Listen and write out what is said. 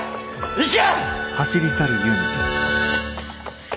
行け！